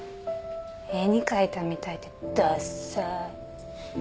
絵に描いたみたいでダッサい。